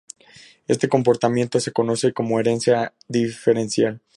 Este comportamiento se conoce como herencia diferencial.